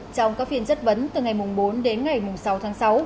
trong các phiên chất vấn từ ngày bốn đến ngày sáu tháng sáu